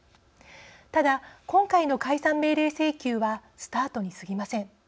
ただ、今回の解散命令請求はスタートにすぎません。